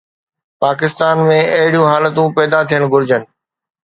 پاڪستان ۾ اهڙيون حالتون پيدا ٿيڻ گهرجن